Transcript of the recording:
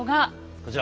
こちら。